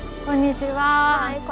こんにちは。